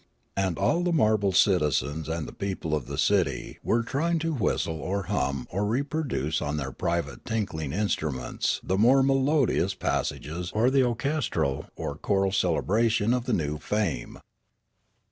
And all the marble citizens and the people of the city were trying to whistle or hum or reproduce on their private tinkling instru ments the more melodious passages or the orchestral or choral celebration of the new fame.